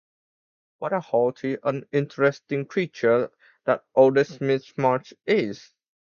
What a haughty, uninteresting creature that oldest Miss March is!